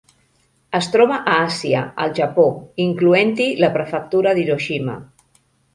Es troba a Àsia: el Japó, incloent-hi la prefectura d'Hiroshima.